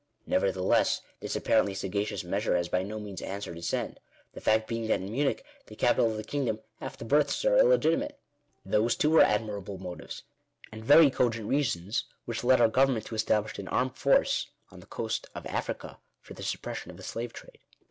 Nevertheless this apparently saga cious measure has by no means answered its end; the fact being that in Munich, the capital of the kingdom, half the births are illegitimate ! Digitized by VjOOQIC INTRODUCTION. 9 Those too were admirable motives, and very cogent reasons, which led our government to establish an armed force on the coast of Africa for the suppression of the slave trade.